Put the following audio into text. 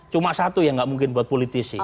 cuma satu yang nggak mungkin buat politisi